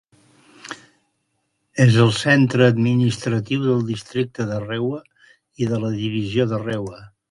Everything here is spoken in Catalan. És el centre administratiu del Districte de Rewa i de la Divisió de Rewa.